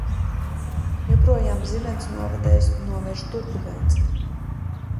Joprojām zibensnovedējs novērš turbulenci.